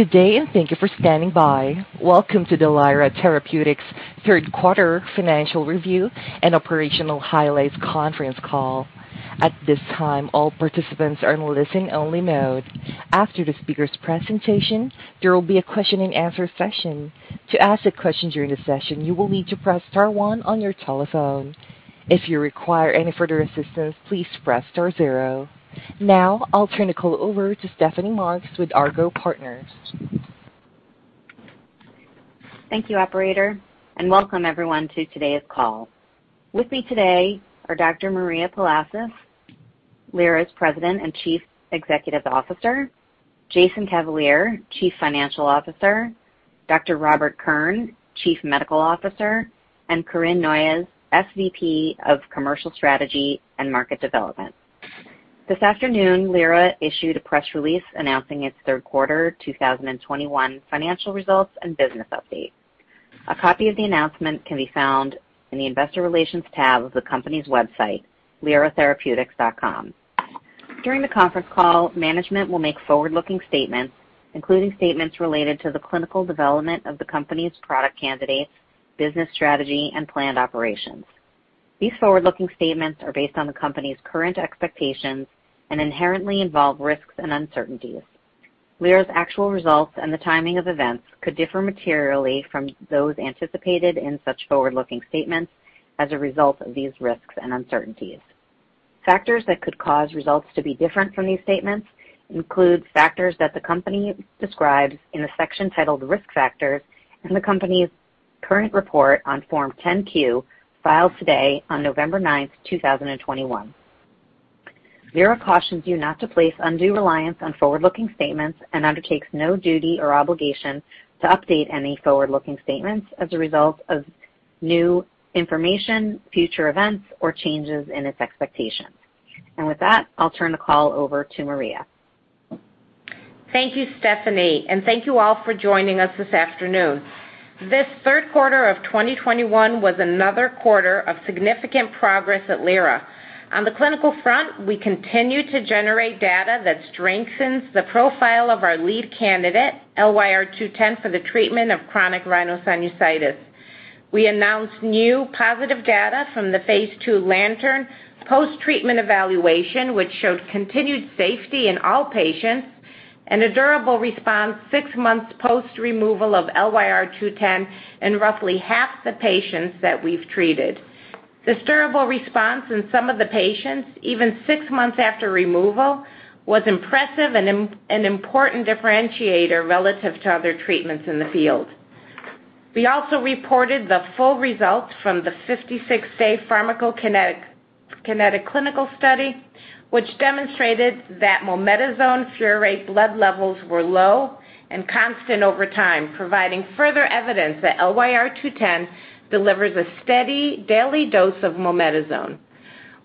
Good day, and thank you for standing by. Welcome to the Lyra Therapeutics third quarter financial review and operational highlights conference call. At this time, all participants are in listen-only mode. After the speaker's presentation, there will be a question and answer session. To ask a question during the session, you will need to press star one on your telephone. If you require any further assistance, please press star zero. Now I'll turn the call over to Stephanie Marks with Argot Partners. Thank you, operator, and welcome everyone to today's call. With me today are Dr. Maria Palasis, Lyra's President and Chief Executive Officer, Jason Cavalier, Chief Financial Officer, Dr. Robert Kern, Chief Medical Officer, and Corinne Noyes, SVP of Commercial Strategy and Market Development. This afternoon, Lyra issued a press release announcing its third quarter 2021 financial results and business update. A copy of the announcement can be found in the investor relations tab of the company's website, lyratherapeutics.com. During the conference call, management will make forward-looking statements, including statements related to the clinical development of the company's product candidates, business strategy, and planned operations. These forward-looking statements are based on the company's current expectations and inherently involve risks and uncertainties. Lyra's actual results and the timing of events could differ materially from those anticipated in such forward-looking statements as a result of these risks and uncertainties. Factors that could cause results to be different from these statements include factors that the company describes in the section titled Risk Factors in the company's current report on Form 10-Q filed today on November 9, 2021. Lyra cautions you not to place undue reliance on forward-looking statements and undertakes no duty or obligation to update any forward-looking statements as a result of new information, future events, or changes in its expectations. With that, I'll turn the call over to Maria. Thank you, Stephanie, and thank you all for joining us this afternoon. This third quarter of 2021 was another quarter of significant progress at Lyra. On the clinical front, we continue to generate data that strengthens the profile of our lead candidate, LYR-210, for the treatment of chronic rhinosinusitis. We announced new positive data from the phase II LANTERN post-treatment evaluation, which showed continued safety in all patients and a durable response six months post-removal of LYR-210 in roughly half the patients that we've treated. This durable response in some of the patients, even six months after removal, was impressive and important differentiator relative to other treatments in the field. We also reported the full results from the 56-day pharmacokinetics clinical study, which demonstrated that mometasone furoate blood levels were low and constant over time, providing further evidence that LYR-210 delivers a steady daily dose of mometasone.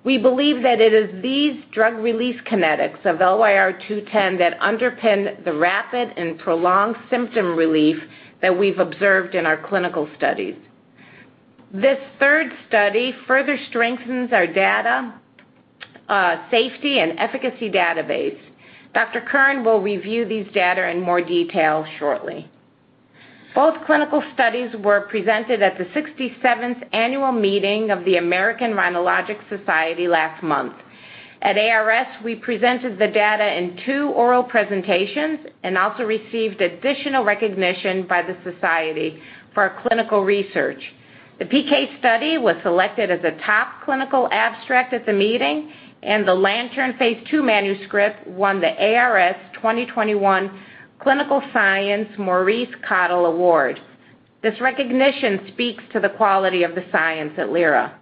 We believe that it is these drug release kinetics of LYR-210 that underpin the rapid and prolonged symptom relief that we've observed in our clinical studies. This third study further strengthens our data, safety and efficacy database. Dr. Kern will review these data in more detail shortly. Both clinical studies were presented at the 67th annual meeting of the American Rhinologic Society last month. At ARS, we presented the data in two oral presentations and also received additional recognition by the society for our clinical research. The PK study was selected as a top clinical abstract at the meeting, and the LANTERN phase II manuscript won the ARS 2021 Clinical Science Maurice Cottle Award. This recognition speaks to the quality of the science at Lyra.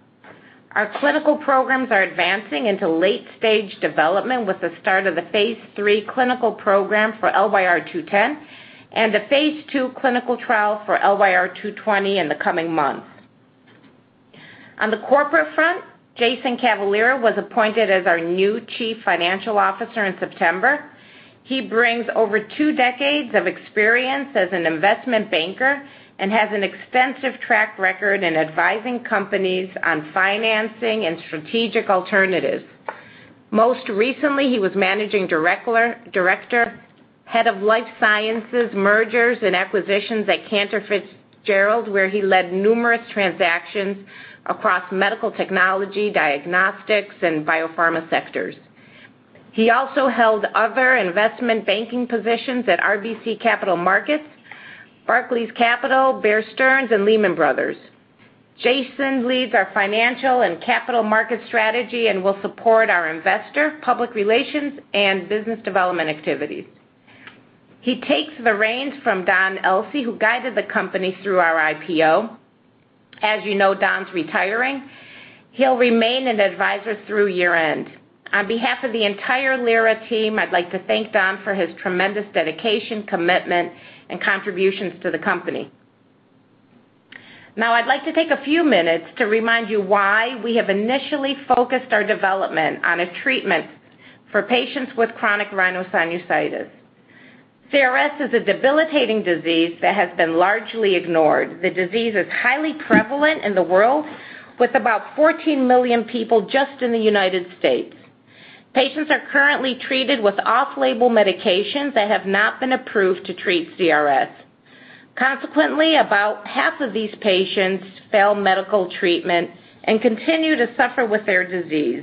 Our clinical programs are advancing into late-stage development with the start of the phase III clinical program for LYR-210 and a phase II clinical trial for LYR-220 in the coming months. On the corporate front, Jason Cavalier was appointed as our new Chief Financial Officer in September. He brings over two decades of experience as an investment banker and has an extensive track record in advising companies on financing and strategic alternatives. Most recently, he was Managing Director, Head of Life Sciences Mergers and Acquisitions at Cantor Fitzgerald, where he led numerous transactions across medical technology, diagnostics, and biopharma sectors. He also held other investment banking positions at RBC Capital Markets, Barclays Capital, Bear Stearns, and Lehman Brothers. Jason leads our financial and capital market strategy and will support our investor, public relations, and business development activities. He takes the reins from Don Elsey, who guided the company through our IPO. As you know, Don's retiring. He'll remain an advisor through year-end. On behalf of the entire Lyra team, I'd like to thank Don for his tremendous dedication, commitment, and contributions to the company. Now, I'd like to take a few minutes to remind you why we have initially focused our development on a treatment for patients with chronic rhinosinusitis. CRS is a debilitating disease that has been largely ignored. The disease is highly prevalent in the world, with about 14 million people just in the United States. Patients are currently treated with off-label medications that have not been approved to treat CRS. Consequently, about half of these patients fail medical treatment and continue to suffer with their disease.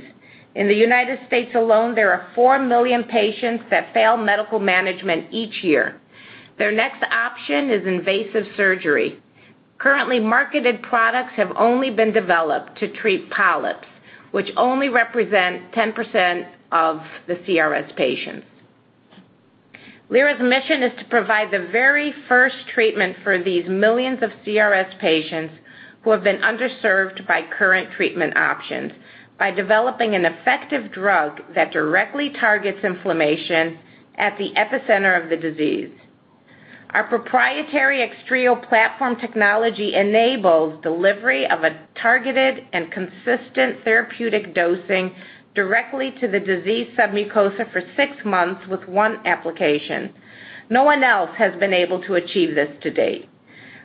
In the United States alone, there are 4 million patients that fail medical management each year. Their next option is invasive surgery. Currently marketed products have only been developed to treat polyps, which only represent 10% of the CRS patients. Lyra's mission is to provide the very first treatment for these millions of CRS patients who have been underserved by current treatment options by developing an effective drug that directly targets inflammation at the epicenter of the disease. Our proprietary XTreo platform technology enables delivery of a targeted and consistent therapeutic dosing directly to the disease submucosa for six months with one application. No one else has been able to achieve this to date.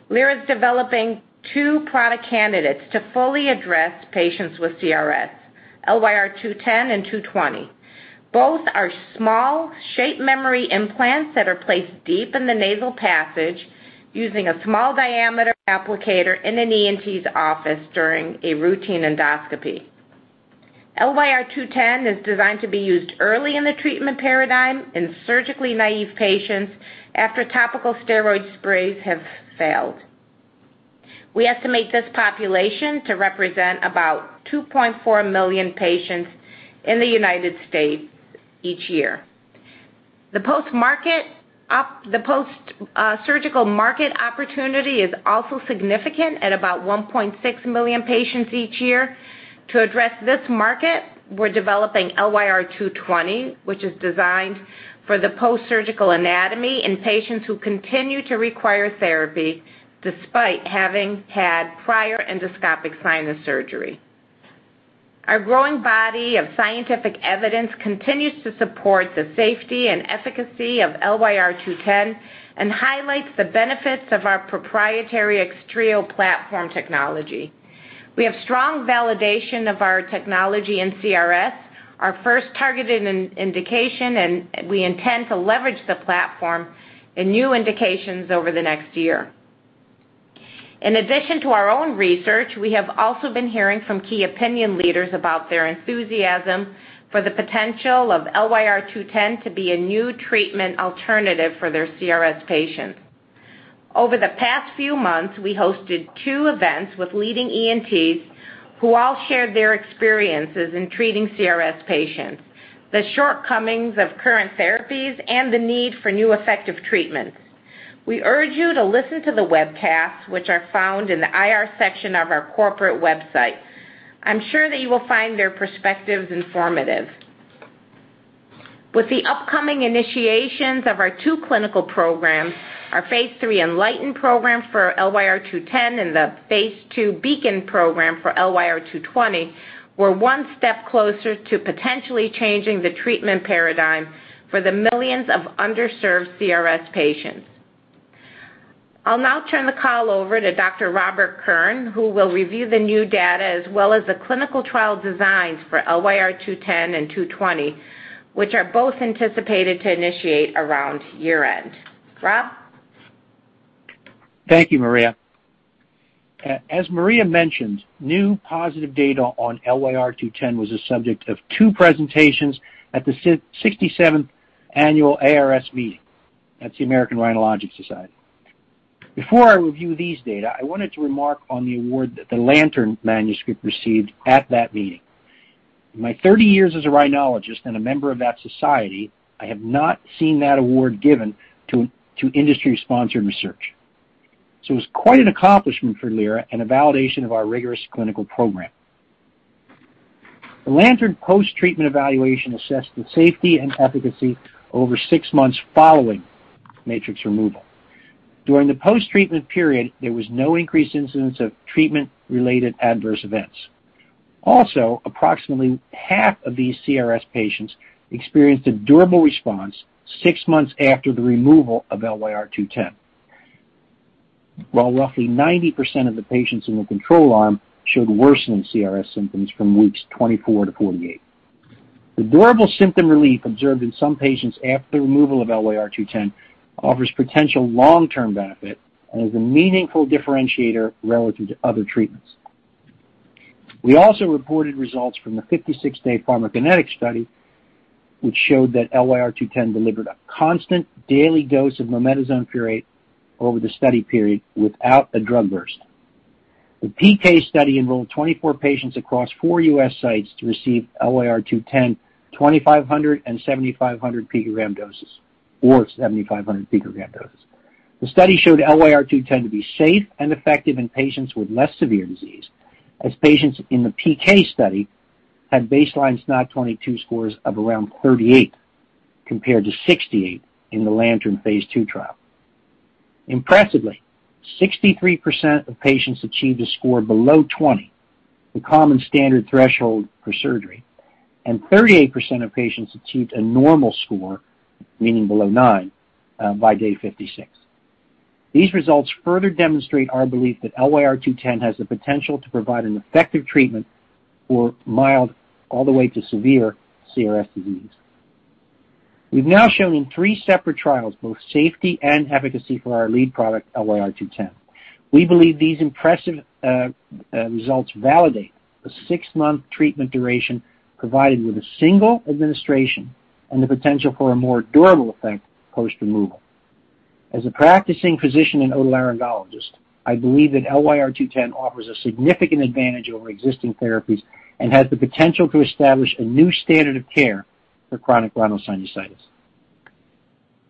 Lyra is developing two product candidates to fully address patients with CRS, LYR-210 and LYR-220. Both are small shape memory implants that are placed deep in the nasal passage using a small diameter applicator in an ENT's office during a routine endoscopy. LYR-210 is designed to be used early in the treatment paradigm in surgically naive patients after topical steroid sprays have failed. We estimate this population to represent about 2.4 million patients in the United States each year. The post-surgical market opportunity is also significant at about 1.6 million patients each year. To address this market, we're developing LYR-220, which is designed for the post-surgical anatomy in patients who continue to require therapy despite having had prior endoscopic sinus surgery. Our growing body of scientific evidence continues to support the safety and efficacy of LYR-210 and highlights the benefits of our proprietary XTreo platform technology. We have strong validation of our technology in CRS, our first targeted indication, and we intend to leverage the platform in new indications over the next year. In addition to our own research, we have also been hearing from key opinion leaders about their enthusiasm for the potential of LYR-210 to be a new treatment alternative for their CRS patients. Over the past few months, we hosted two events with leading ENTs who all shared their experiences in treating CRS patients, the shortcomings of current therapies, and the need for new effective treatments. We urge you to listen to the webcasts, which are found in the IR section of our corporate website. I'm sure that you will find their perspectives informative. With the upcoming initiations of our two clinical programs, our phase III ENLIGHTEN program for LYR-210 and the phase II BEACON program for LYR-220, we're one step closer to potentially changing the treatment paradigm for the millions of underserved CRS patients. I'll now turn the call over to Dr. Robert Kern, who will review the new data as well as the clinical trial designs for LYR-210 and LYR-220, which are both anticipated to initiate around year-end. Rob? Thank you, Maria. As Maria mentioned, new positive data on LYR-210 was the subject of two presentations at the 67th annual ARS meeting. That's the American Rhinologic Society. Before I review these data, I wanted to remark on the award that the LANTERN manuscript received at that meeting. In my 30 years as a rhinologist and a member of that society, I have not seen that award given to industry-sponsored research, so it's quite an accomplishment for Lyra and a validation of our rigorous clinical program. The LANTERN post-treatment evaluation assessed the safety and efficacy over six months following matrix removal. During the post-treatment period, there was no increased incidence of treatment-related adverse events. Also, approximately half of these CRS patients experienced a durable response six months after the removal of LYR-210.While roughly 90% of the patients in the control arm showed worsening CRS symptoms from weeks 24-48. The durable symptom relief observed in some patients after the removal of LYR-210 offers potential long-term benefit and is a meaningful differentiator relative to other treatments. We also reported results from the 56-day pharmacokinetic study, which showed that LYR-210 delivered a constant daily dose of mometasone furoate over the study period without a drug burst. The PK study enrolled 24 patients across four U.S. sites to receive LYR-210, 2,500- and 7,500-microgram Impressively, 63% of patients achieved a score below 20, the common standard threshold for surgery, and 38% of patients achieved a normal score, meaning below 9, by day 56. These results further demonstrate our belief that LYR-210 has the potential to provide an effective treatment for mild all the way to severe CRS disease. We've now shown in three separate trials both safety and efficacy for our lead product, LYR-210. We believe these impressive results validate the six-month treatment duration provided with a single administration and the potential for a more durable effect post-removal. As a practicing physician and otolaryngologist, I believe that LYR-210 offers a significant advantage over existing therapies and has the potential to establish a new standard of care for chronic rhinosinusitis.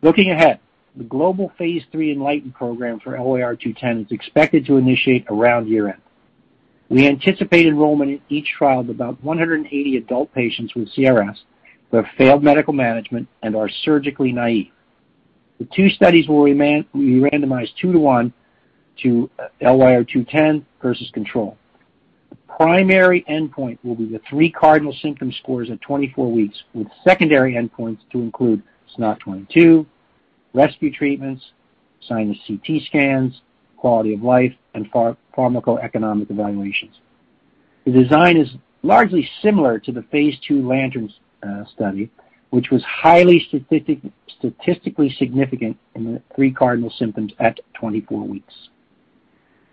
Looking ahead, the global phase III ENLIGHTEN program for LYR-210 is expected to initiate around year-end. We anticipate enrollment in each trial of about 180 adult patients with CRS who have failed medical management and are surgically naive. The two studies will remain randomized 2-1 to LYR-210 versus control. The primary endpoint will be the three cardinal symptom scores at 24 weeks, with secondary endpoints to include SNOT-22, rescue treatments, sinus CT scans, quality of life, and pharmacoeconomic evaluations. The design is largely similar to the phase II LANTERN study, which was highly statistically significant in the three cardinal symptoms at 24 weeks.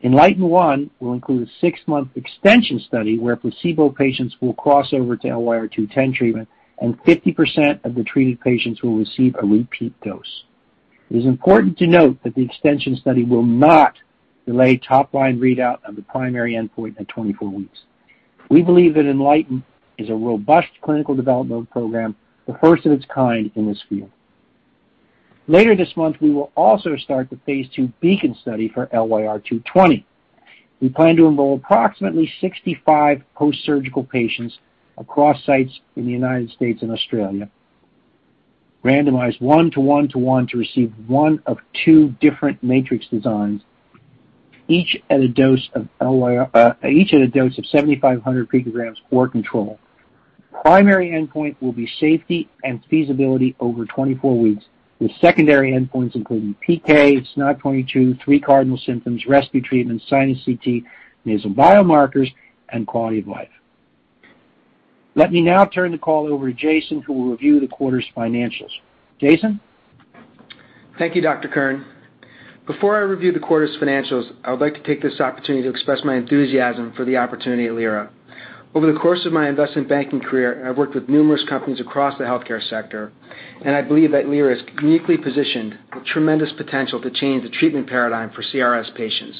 ENLIGHTEN 1 will include a six-month extension study where placebo patients will cross over to LYR-210 treatment, and 50% of the treated patients will receive a repeat dose.It is important to note that the extension study will not delay top line readout of the primary endpoint at 24 weeks. We believe that ENLIGHTEN is a robust clinical development program, the first of its kind in this field. Later this month, we will also start the phase II BEACON study for LYR-220. We plan to enroll approximately 65 post-surgical patients across sites in the United States and Australia, randomized one-to-one to receive one of two different matrix designs, each at a dose of 7,500 microgramsThank you, Dr. Kern. Before I review the quarter's financials, I would like to take this opportunity to express my enthusiasm for the opportunity at Lyra. Over the course of my investment banking career, I've worked with numerous companies across the healthcare sector, and I believe that Lyra is uniquely positioned with tremendous potential to change the treatment paradigm for CRS patients.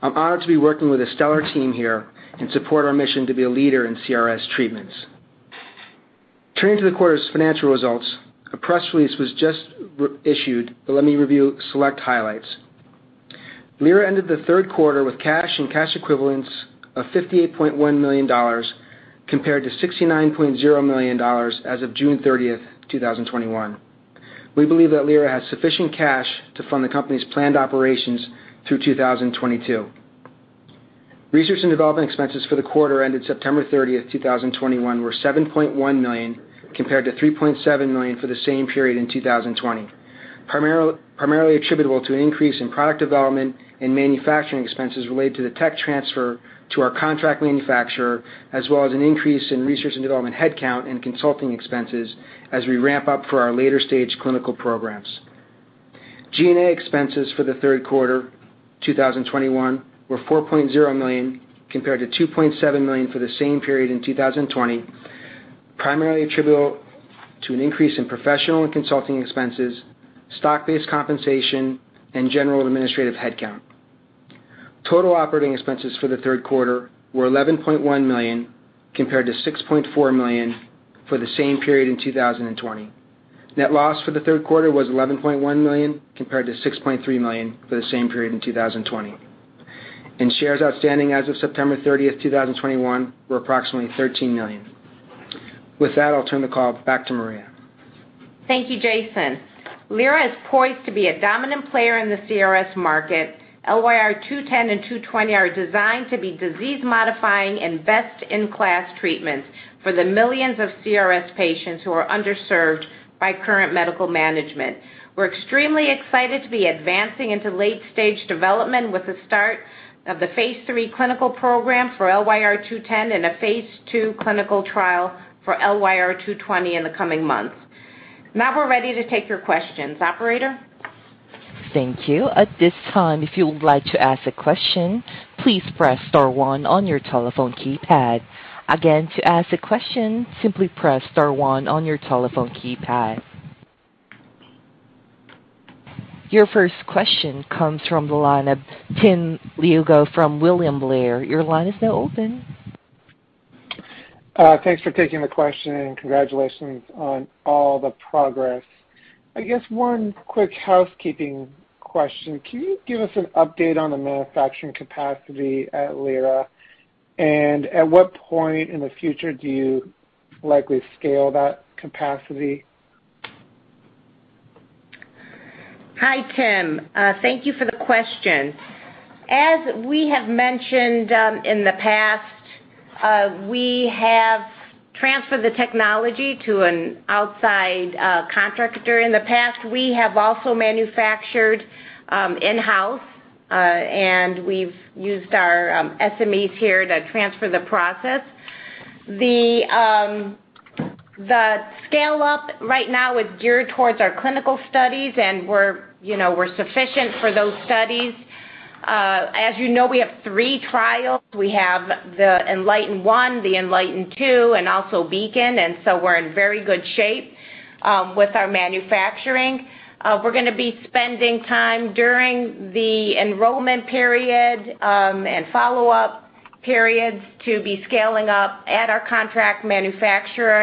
I'm honored to be working with a stellar team here and support our mission to be a leader in CRS treatments. Turning to the quarter's financial results, a press release was just re-issued, but let me review select highlights. Lyra ended the third quarter with cash and cash and cash equivalents We believe that Lyra has sufficient cash to fund the company's planned operations through 2022. Research and development expenses for the quarter ended September 30, 2021, were $7.1 million, compared to $3.7 million for the same period in 2020, primarily attributable to an increase in product development and manufacturing expenses related to the tech transfer to our contract manufacturer, as well as an increase in research and development headcount and consulting expenses as we ramp up for our later-stage clinical programs. G&A expenses for the third quarter 2021 were $4.0 million, compared to $2.7 million for the same period in 2020, primarily attributable to an increase in professional and consulting expenses, stock-based compensation, and general administrative headcount. Total operating expenses for the third quarter were $11.1 million, compared to $6.4 million for the same period in 2020. Net loss for the third quarter was $11.1 million, compared to $6.3 million for the same period in 2020. Shares outstanding as of September 30, 2021, were approximately 13 million. With that, I'll turn the call back to Maria. Thank you, Jason. Lyra is poised to be a dominant player in the CRS market. LYR-210 and LYR-220 are designed to be disease-modifying and best-in-class treatments for the millions of CRS patients who are underserved by current medical management. We're extremely excited to be advancing into late-stage development with the start of the phase III clinical program for LYR-210 and a phase II clinical trial for LYR-220 in the coming months. Now we're ready to take your questions. Operator? Thank you. At this time, if you would like to ask a question, please press star one on your telephone keypad. Again, to ask a question, simply press star one on your telephone keypad. Your first question comes from the line of Tim Lugo from William Blair. Your line is now open. Thanks for taking the question, and congratulations on all the progress. I guess one quick housekeeping question. Can you give us an update on the manufacturing capacity at Lyra, and at what point in the future do you likely scale that capacity? Hi, Tim. Thank you for the question. As we have mentioned in the past, we have transferred the technology to an outside contractor in the past. We have also manufactured in-house, and we've used our SMEs here to transfer the process. The scale-up right now is geared towards our clinical studies, and we're sufficient for those studies. As you know, we have three trials. We have the ENLIGHTEN 1, the ENLIGHTEN 2, and also BEACON. We're in very good shape with our manufacturing. We're gonna be spending time during the enrollment period and follow-up periods to be scaling up at our contract manufacturer.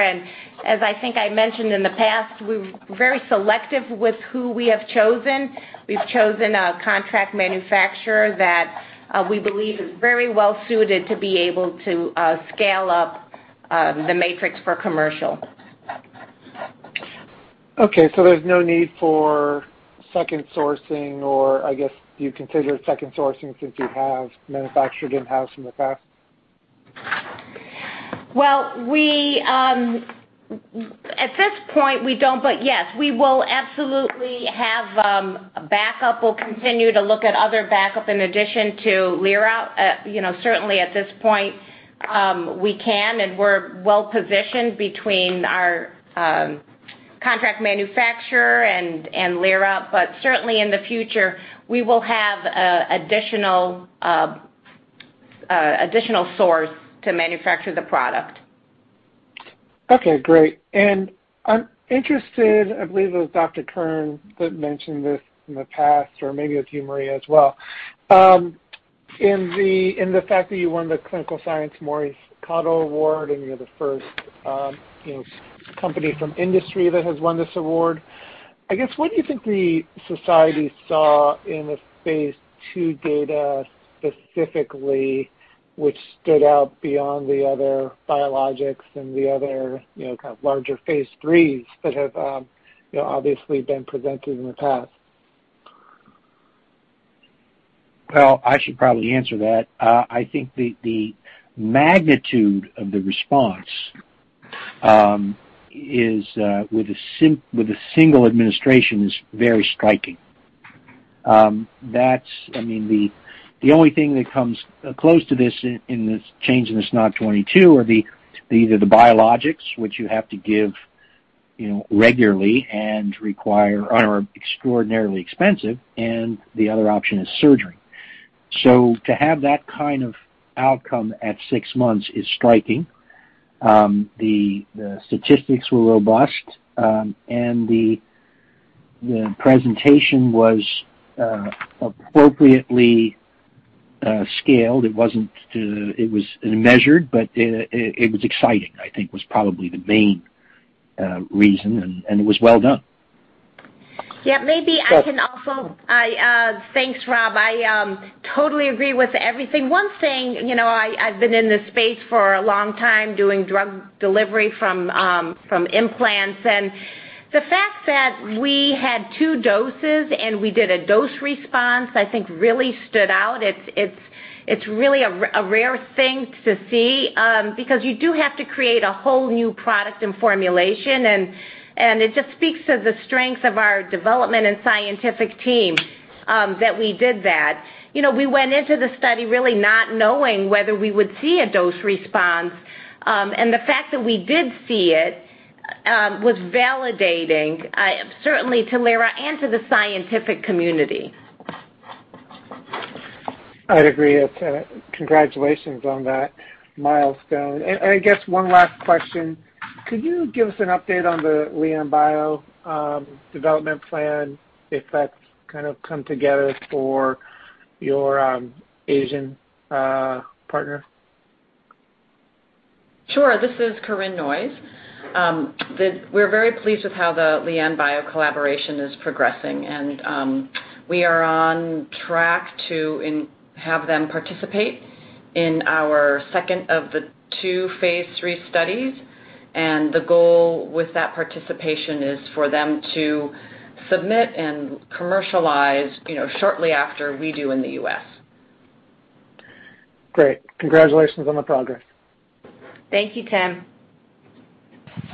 As I think I mentioned in the past, we're very selective with who we have chosen. We've chosen a contract manufacturer that we believe is very well suited to be able to scale up the matrix for commercial. Okay. There's no need for second sourcing or I guess you consider second sourcing since you have manufactured in-house in the past? Well, at this point, we don't. Yes, we will absolutely have a backup. We'll continue to look at other backup in addition to Lyra. You know, certainly at this point, we can, and we're well-positioned between our contract manufacturer and Lyra. Certainly, in the future, we will have an additional source to manufacture the product. Okay, great. I'm interested, I believe it was Dr. Kern that mentioned this in the past or maybe it was you, Maria, as well. In the fact that you won the Clinical Science Maurice Cottle Award and you're the first, you know, company from industry that has won this award. I guess, what do you think the society saw in the phase II data specifically which stood out beyond the other biologics and the other, you know, kind of larger phase IIIs that have, you know, obviously been presented in the past? Well, I should probably answer that. I think the magnitude of the response with a single administration is very striking. I mean, the only thing that comes close to this in this change in the SNOT-22 are either the biologics, which you have to give you know regularly and require or are extraordinarily expensive, and the other option is surgery. To have that kind of outcome at six months is striking. The statistics were robust and the presentation was appropriately scaled. It wasn't, it was measured, but it was exciting. I think was probably the main reason and it was well done. Yeah, maybe I can also. So-Thanks, Rob. I totally agree with everything. One thing, you know, I've been in this space for a long time doing drug delivery from implants, and the fact that we had two doses and we did a dose response, I think really stood out. It's really a rare thing to see, because you do have to create a whole new product and formulation and it just speaks to the strength of our development and scientific team that we did that. You know, we went into the study really not knowing whether we would see a dose response, and the fact that we did see it was validating certainly to Lyra and to the scientific community. I'd agree. It's congratulations on that milestone. I guess one last question.uncertain Great. Congratulations on the progress. Thank you, Tim.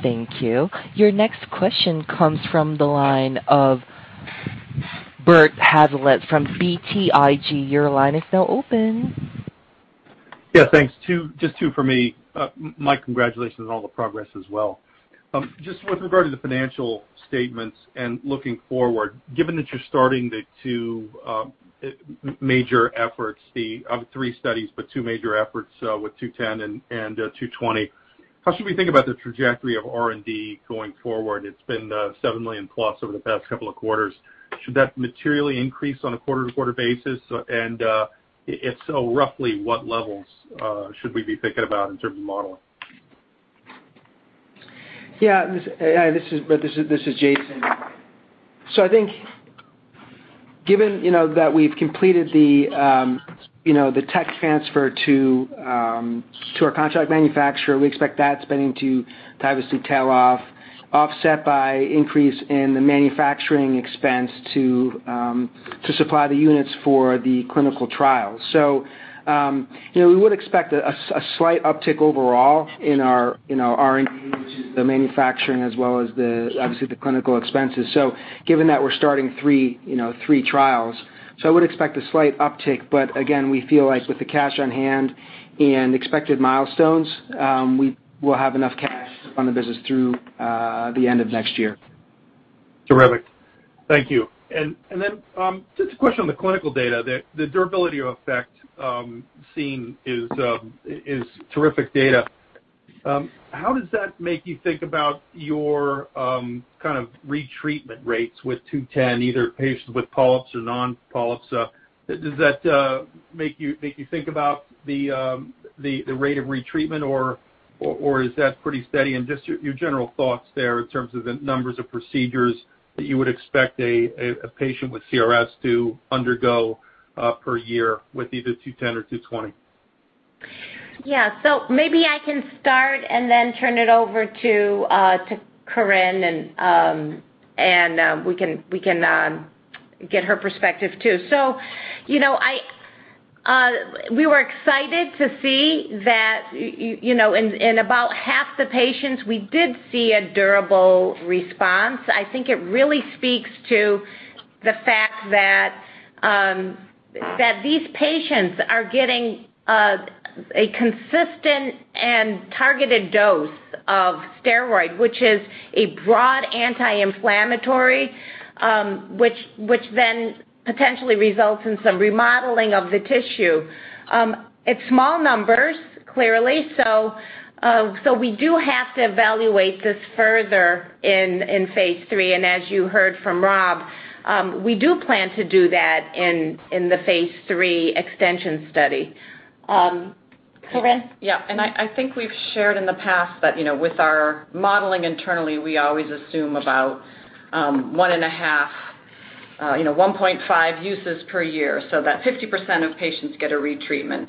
Thank you. Your next question comes from the line of Bert Hazlett from BTIG. Your line is now open. Yeah, thanks. Just two for me. My congratulations on all the progress as well. Just with regard to the financial statements and looking forward, given that you're starting the two major efforts, the three studies, but two major efforts, with LYR-210 and LYR-220, how should we think about the trajectory of R&D going forward? It's been $7 million plus over the past couple of quarters. Should that materially increase on a quarter-to-quarter basis? If so, roughly what levels should we be thinking about in terms of modeling? Yeah, this is Jason, Bert. I think Given, you know, that we've completed the, you know, the tech transfer to our contract manufacturer, we expect that spending to obviously tail off, offset by increase in the manufacturing expense to supply the units for the clinical trial. You know, we would expect a slight uptick overall in our, you know, R&D, which is the manufacturing as well as the, obviously, the clinical expenses given that we're starting three, you know, three trials. I would expect a slight uptick. Again, we feel like with the cash on hand and expected milestones, we will have enough cash on the business through the end of next year. Terrific. Thank you. Just a question on the clinical data. The durability effect seen is terrific data. How does that make you think about your kind of retreatment rates with LYR-210, either patients with polyps or non-polyps? Does that make you think about the rate of retreatment or is that pretty steady? Just your general thoughts there in terms of the numbers of procedures that you would expect a patient with CRS to undergo per year with either LYR-210 or LYR-220. Yeah. Maybe I can start and then turn it over to Corinne and we can get her perspective too. You know, we were excited to see that, you know, in about half the patients, we did see a durable response. I think it really speaks to the fact that these patients are getting a consistent and targeted dose of steroid, which is a broad anti-inflammatory, which then potentially results in some remodeling of the tissue. It's small numbers, clearly. We do have to evaluate this further in phase III. As you heard from Rob, we do plan to do that in the phase III extension study. Corinne? Yeah. I think we've shared in the past that, you know, with our modeling internally, we always assume about 1.5 uses per year, so that 50% of patients get a retreatment.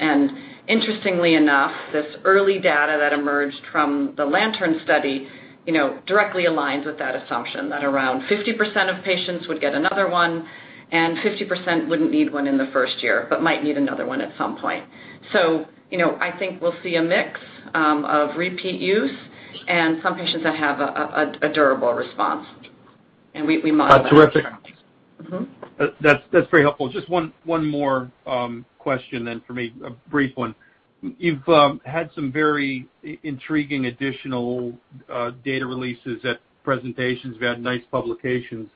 Interestingly enough, this early data that emerged from the LANTERN study, you know, directly aligns with that assumption, that around 50% of patients would get another one, and 50% wouldn't need one in the first year, but might need another one at some point. I think we'll see a mix of repeat use and some patients that have a durable response, and we monitor that. That's terrific. Mm-hmm. That's very helpful. Just one more question then for me, a brief one. You've had some very intriguing additional data releases at presentations. We had nice publications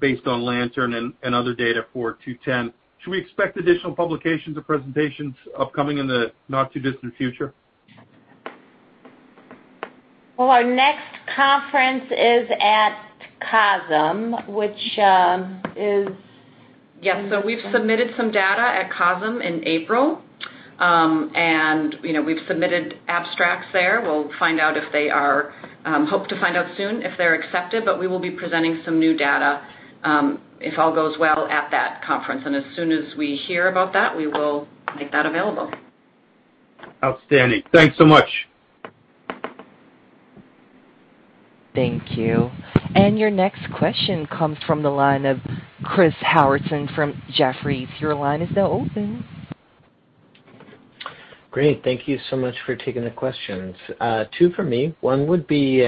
based on LANTERN and other data for LYR-210. Should we expect additional publications or presentations upcoming in the not-too-distant future? Well, our next conference is at COSM, which is Yes. We've submitted some data at COSM in April. You know, we've submitted abstracts there. We'll hope to find out soon if they're accepted. We will be presenting some new data, if all goes well at that conference. As soon as we hear about that, we will make that available. Outstanding. Thanks so much. Thank you. Your next question comes from the line of Chris Howton from Jefferies. Your line is now open. Great. Thank you so much for taking the questions. Two for me. One would be,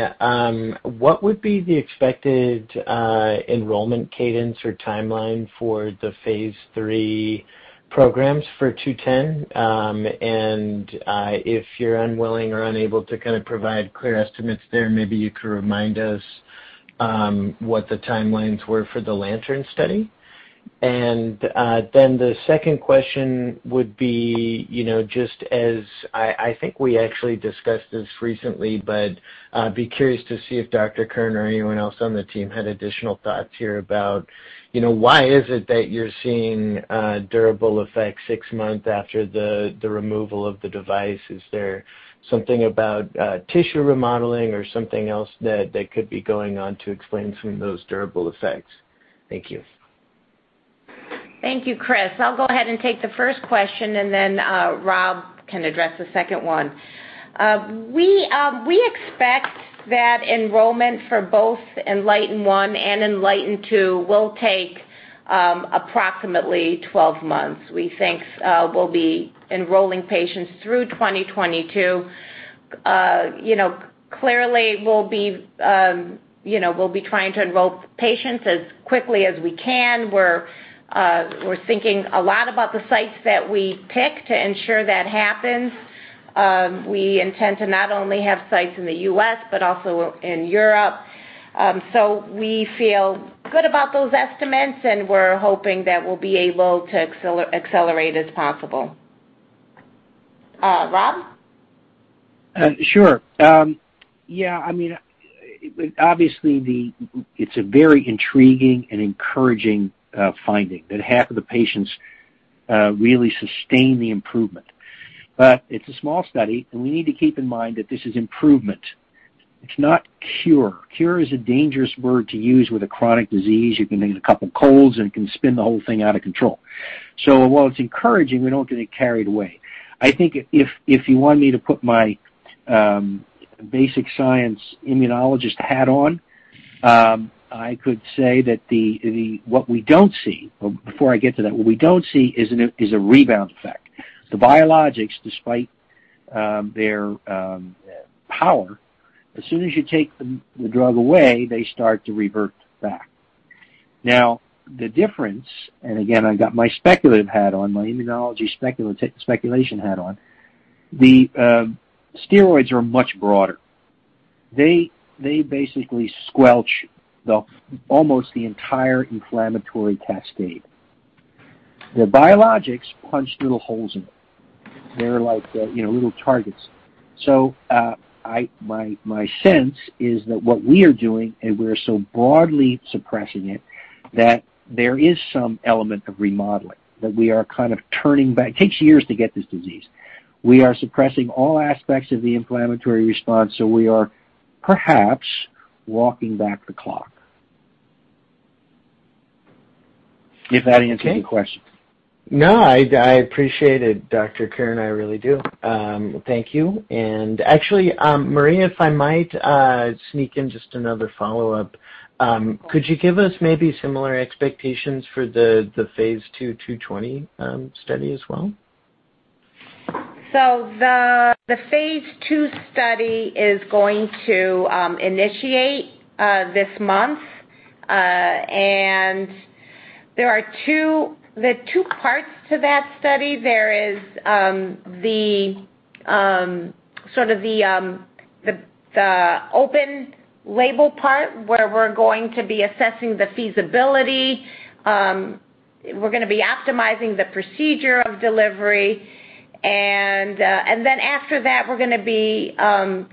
what would be the expected enrollment cadence or timeline for the phase III programs for two ten? If you're unwilling or unable to kind of provide clear estimates there, maybe you could remind us, what the timelines were for the LANTERN study. The second question would be, you know, just as I think we actually discussed this recently, but be curious to see if Dr. Kern or anyone else on the team had additional thoughts here about, you know, why is it that you're seeing durable effects six months after the removal of the device? Is there something about tissue remodeling or something else that could be going on to explain some of those durable effects? Thank you. Thank you, Chris. I'll go ahead and take the first question, and then Rob can address the second one. We expect that enrollment for both ENLIGHTEN 1 and ENLIGHTEN 2 will take approximately 12 months. We think we'll be enrolling patients through 2022. You know, clearly we'll be trying to enroll patients as quickly as we can. We're thinking a lot about the sites that we pick to ensure that happens. We intend to not only have sites in the U.S., but also in Europe. So we feel good about those estimates, and we're hoping that we'll be able to accelerate as possible. Rob? Yeah, I mean, obviously, it's a very intriguing and encouraging finding that half of the patients really sustain the improvement. It's a small study, and we need to keep in mind that this is improvement. It's not cure. Cure is a dangerous word to use with a chronic disease. You can get a couple of colds and can spin the whole thing out of control. While it's encouraging, we don't get it carried away. I think if you want me to put my basic science immunologist hat on, I could say that what we don't see. Before I get to that, what we don't see is a rebound effect. The biologics, despite their power, as soon as you take the drug away, they start to revert back. Now, the difference, and again, I've got my speculative hat on, my immunology speculation hat on, the steroids are much broader. They basically squelch almost the entire inflammatory cascade. The biologics punch little holes in it. They're like, you know, little targets. My sense is that what we are doing, and we're so broadly suppressing it, that there is some element of remodeling, that we are kind of turning back. It takes years to get this disease. We are suppressing all aspects of the inflammatory response, so we are perhaps walking back the clock. If that answers your question. No, I appreciate it, Dr. Kern, I really do. Thank you. Actually, Maria, if I might sneak in just another follow-up. Could you give us maybe similar expectations for the phase II LYR-220 study as well? The phase II study is going to initiate this month, and there are two parts to that study. There is the sort of open label part where we're going to be assessing the feasibility. We're gonna be optimizing the procedure of delivery and then after that we're gonna be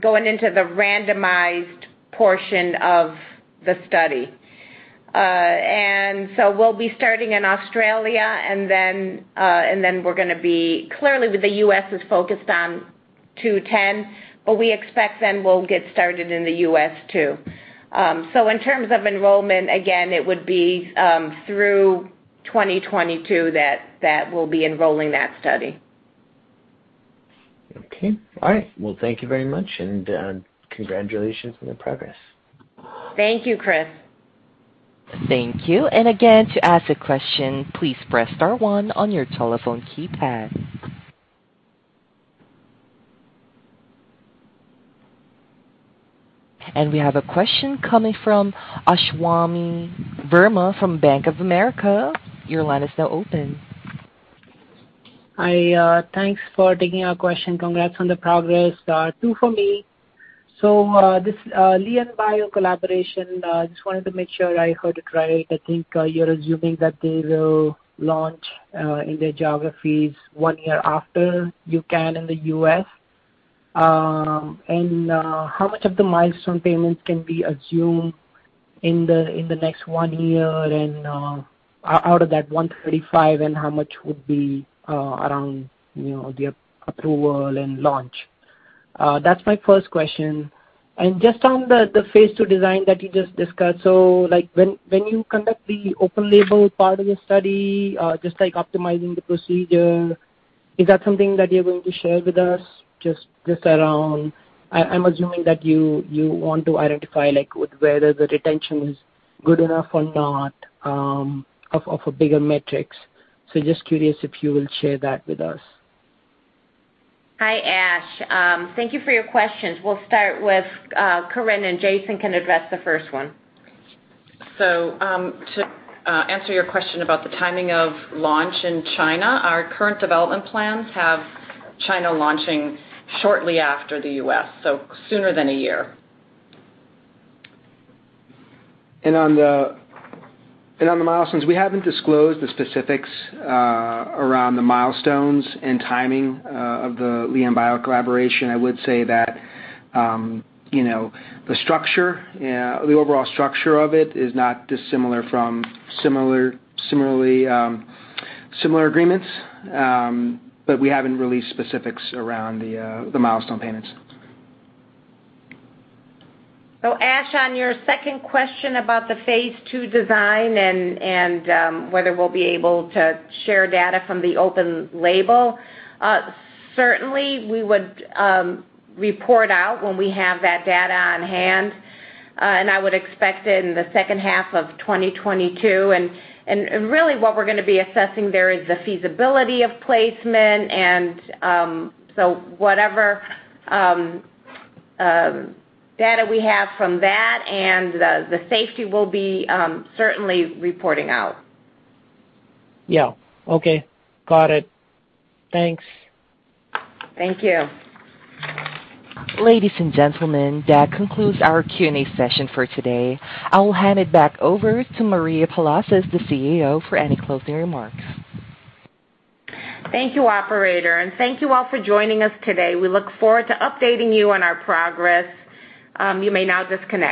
going into the randomized portion of the study. We'll be starting in Australia and then clearly, while the U.S. is focused on 210, but we expect then we'll get started in the U.S. too. In terms of enrollment, again, it would be through 2022 that we'll be enrolling that study. Okay. All right. Well, thank you very much, and congratulations on the progress. Thank you, Chris.Thank you. Again, to ask a question, please press star one on your telephone keypad. We have a question coming from Ashwani Verma Thanks for taking our question. Congrats on the progress. Two for me. This LianBio collaboration, just wanted to make sure I heard it right. I think you're assuming that they will launch in their geographies one year after you launch in the US. How much of the milestone payments can be assumed in the next one year and out of that $135, and how much would be around, you know, the approval and launch? That's my first question. Just on the phase II design that you just discussed. Like, when you conduct the open label part of your study, just like optimizing the procedure, is that something that you're going to share with us just around. I'm assuming that you want to identify, like, whether the retention is good enough or not, of bigger metrics. Just curious if you will share that with us. Hi, Ashwani. Thank you for your questions. We'll start with Corinne, and Jason can address the first one. To answer your question about the timing of launch in China, our current development plans have China launching shortly after the U.S., so sooner than a year. On the milestones, we haven't disclosed the specifics around the milestones and timing of the LianBio collaboration. I would say that, you know, the overall structure of it is not dissimilar from similar agreements, but we haven't released specifics around the milestone payments. Ash, on your second question about the phase II design and whether we'll be able to share data from the open label, certainly we would report out when we have that data on hand, and I would expect it in the second half of 2022. Really what we're gonna be assessing there is the feasibility of placement and whatever data we have from that and the safety we'll be certainly reporting out. Yeah. Okay. Got it. Thanks. Thank you. Ladies and gentlemen, that concludes our Q&A session for today. I will hand it back over to Maria Palasis, the CEO, for any closing remarks. Thank you, operator, and thank you all for joining us today. We look forward to updating you on our progress. You may now disconnect.